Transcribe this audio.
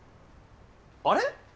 あれ？